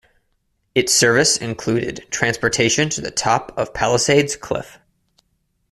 Its service included transportation to the top of Palisades Cliff.